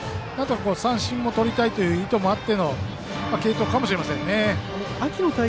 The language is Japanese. だから、ここは三振もとりたいというのもあっての継投かもしれません。